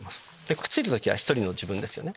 くっついてる時は１人の自分ですよね。